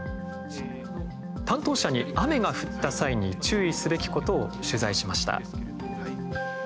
担当者に、雨が降った際に注意すべきことを取材しました。